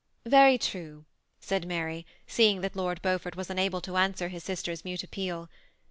" Very true," said Mary, seeing that Lord Beaufort was unable to answer his sister's mute appeal.